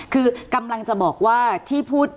คือกำลังจะบอกว่าที่พูด